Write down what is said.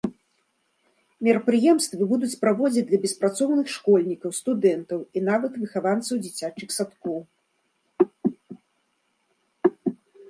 Мерапрыемствы будуць праводзіць для беспрацоўных, школьнікаў, студэнтаў і нават выхаванцаў дзіцячых садкоў.